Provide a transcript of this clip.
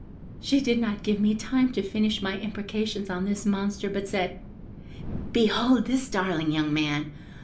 "She did not give me time to finish my imprecations on this monster, but said, 'Behold this darling young man!